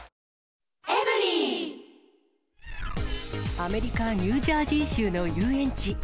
アメリカ・ニュージャージー州の遊園地。